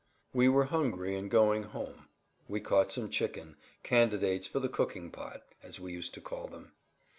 We were hungry and, going "home," we caught some chicken, "candidates for the cooking pot," as we used to call them.